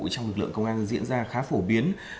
trong lực lượng công an diễn ra khá phổ biến